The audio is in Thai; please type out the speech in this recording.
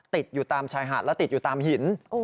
ติดอยู่ตามชายหาดแล้วติดอยู่ตามหิน